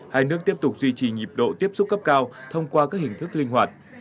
hai nước tiếp tục duy trì nhịp độ tiếp xúc cấp cao thông qua các hình thức linh hoạt